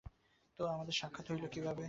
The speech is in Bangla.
তো, তোমাদের সাক্ষাৎ হলো কীভাবে?